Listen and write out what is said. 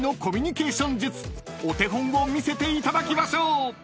［お手本を見せていただきましょう］